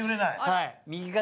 はい。